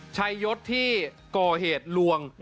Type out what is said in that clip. ยศที่ก่อเหตุลวง